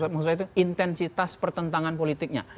maksud saya itu intensitas pertentangan politiknya